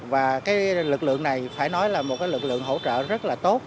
và cái lực lượng này phải nói là một lực lượng hỗ trợ rất là tốt